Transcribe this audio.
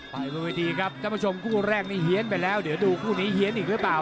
บนเวทีครับท่านผู้ชมคู่แรกนี่เฮียนไปแล้วเดี๋ยวดูคู่นี้เฮียนอีกหรือเปล่า